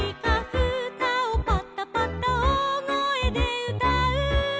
「ふたをパタパタおおごえでうたう」